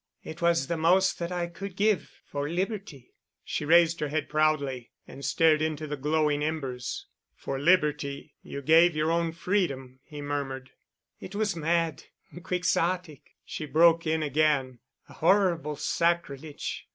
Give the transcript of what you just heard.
It was the most that I could give—for Liberty...." She raised her head proudly, and stared into the glowing embers. "For Liberty—you gave your own freedom——" he murmured. "It was mad—Quixotic——" she broke in again, "a horrible sacrilege.